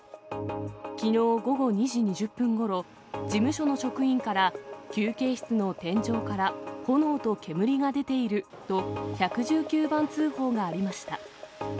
きのう午後２時２０分ごろ、事務所の職員から、休憩室の天井から炎と煙が出ていると、１１９番通報がありました。